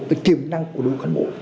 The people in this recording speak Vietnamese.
cái tiềm năng của đối cán bộ